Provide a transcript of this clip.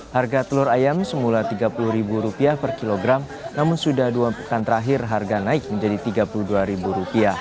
harga telur ayam semula rp tiga puluh per kilogram namun sudah dua pekan terakhir harga naik menjadi rp tiga puluh dua